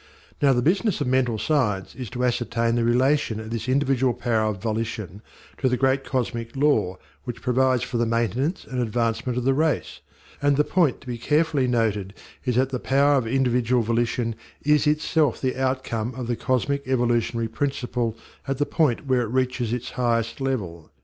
Now the business of Mental Science is to ascertain the relation of this individual power of volition to the great cosmic law which provides for the maintenance and advancement of the race; and the point to be carefully noted is that the power of individual volition is itself the outcome of the cosmic evolutionary principle at the point where it reaches its highest level.